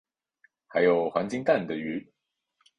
还有黄金蛋的鱼